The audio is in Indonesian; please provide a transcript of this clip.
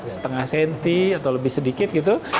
setengah cm atau lebih sedikit gitu